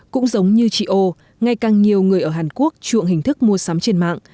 cũng giống như chị ô ngay càng nhiều người ở hàn quốc chuộng hình thức mua sắm trực tuyến